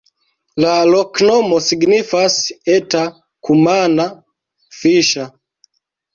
La loknomo signifas: eta-kumana-fiŝa.